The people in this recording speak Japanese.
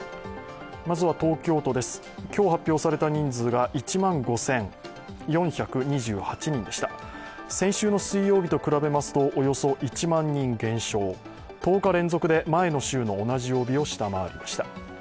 東京都です、今日発表された人数が１万５４２８人でした先週の水曜日と比べますとおよそ１万人減少、１０日連続で前の週の同じ曜日を下回りました。